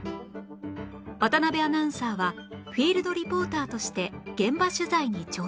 渡辺アナウンサーはフィールドリポーターとして現場取材に挑戦